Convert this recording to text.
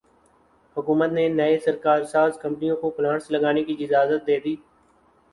حکومت نے نئی کارساز کمپنیوں کو پلانٹس لگانے کی اجازت دیدی